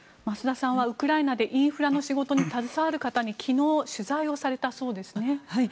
増田さんはウクライナでインフラの仕事に携わる方に昨日取材をされたそうですね。